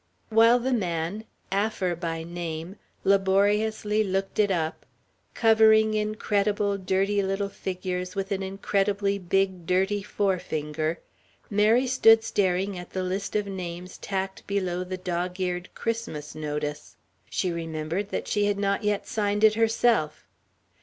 While the man, Affer by name, laboriously looked it up, covering incredible little dirty figures with an incredibly big dirty forefinger, Mary stood staring at the list of names tacked below the dog eared Christmas Notice. She remembered that she had not yet signed it herself.